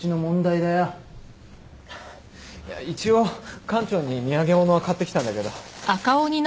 一応館長に土産物は買ってきたんだけど。